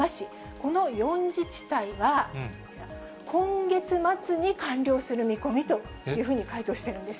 この４自治体はこちら、今月末に完了する見込みというふうに回答してるんです。